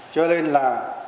cho nên là